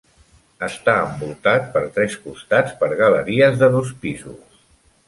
Està envoltat per tres costats per galeries de dos pisos.